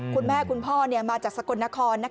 คุณแม่คุณพ่อมาจากสกลนคร